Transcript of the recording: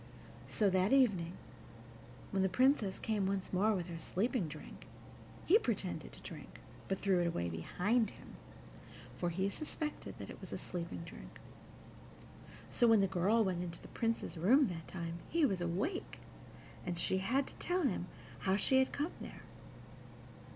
So that evening, when the Princess came once more with her sleeping drink, he pretended to drink, but threw it away behind him, for he suspected that it was a sleeping drink. So, when the girl went into the Prince's room this time he was awake, and she had to tell him how she had come there.